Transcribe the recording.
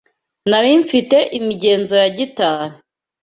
Nari mfite imigenzo ya gitari.